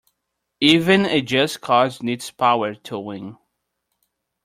Even a just cause needs power to win.